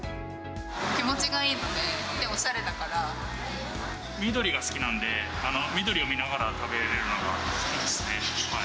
気持ちがいいので、おしゃれ緑が好きなんで、緑を見ながら食べれるのがいいですね。